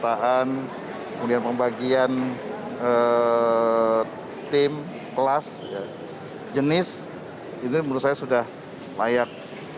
petaan kemudian pembagian tim kelas jenis ini menurut saya sudah layak